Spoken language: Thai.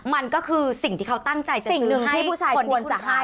มันก็คือสิ่งที่เขาตั้งใจจะซื้อให้คนที่คุณขอ